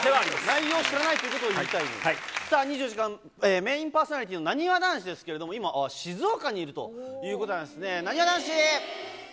内容は知らないということをさあ、２４時間メインパーソナリティーのなにわ男子ですけれども、今は静岡にいるということなんですね。